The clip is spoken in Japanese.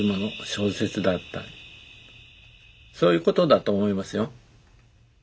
そういうことだと思いますよ。